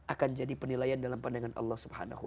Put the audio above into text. akan jadi penilaian dalam pandangan allah swt